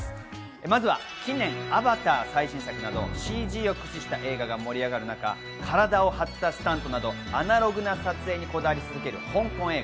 まずは近年、『アバター』最新作などＣＧを駆使した映画が盛り上がる中、体を張ったスタントなど、アナログな撮影にこだわり続ける香港映画。